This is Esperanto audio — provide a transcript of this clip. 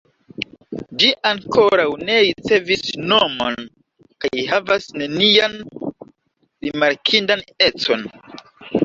Ĝi ankoraŭ ne ricevis nomon kaj havas nenian rimarkindan econ.